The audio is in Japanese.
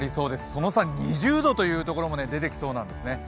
その差２０度というところも出てきそうなんです